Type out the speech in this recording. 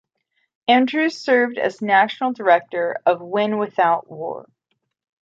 Andrews served as National Director of Win Without War.